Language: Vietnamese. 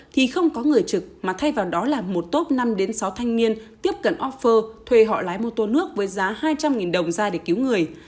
thì không có người trực mà thay vào đó là một top năm sáu thanh niên tiếp cận oxfor thuê họ lái mô tô nước với giá hai trăm linh đồng ra để cứu người